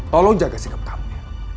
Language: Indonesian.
tolong jaga sikap kamu ya